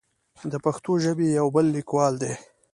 د پښتو ژبې يو بل ليکوال